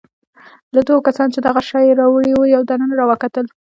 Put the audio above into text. له دوو کسانو څخه چې دغه شی يې راوړی وو، یو دننه راوکتل.